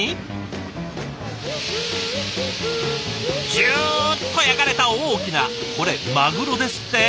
ジュッと焼かれた大きなこれマグロですって！